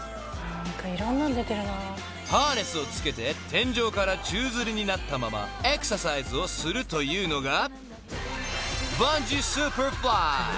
［ハーネスを着けて天井から宙づりになったままエクササイズをするというのが］